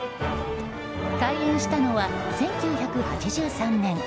開園したのは１９８３年。